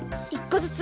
１こずつ。